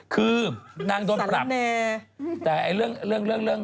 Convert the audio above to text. คือนางโดนปรับสัลเน่